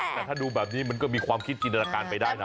แต่ถ้าดูแบบนี้มันก็มีความคิดจินตนาการไปได้นะ